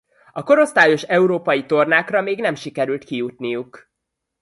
A korosztályos európai tornákra még nem sikerült kijutniuk.